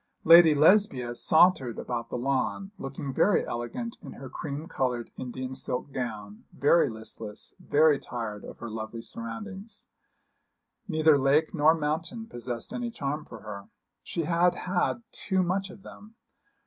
Lady Lesbia sauntered about the lawn, looking very elegant in her cream coloured Indian silk gown, very listless, very tired of her lovely surroundings. Neither lake nor mountain possessed any charm for her. She had had too much of them.